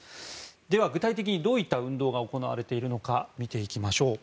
では、具体的にどういった運動が行われているのが見ていきましょう。